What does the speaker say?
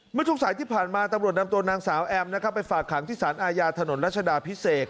เมื่อช่วงสายที่ผ่านมาตำรวจนำตัวนางสาวแอมนะครับไปฝากขังที่สารอาญาถนนรัชดาพิเศษ